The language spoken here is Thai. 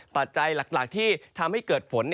หัวใจที่ทำให้เกิดฝน